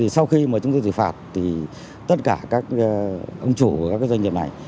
sau khi mà chúng tôi xử phạt thì tất cả các ông chủ của các doanh nghiệp này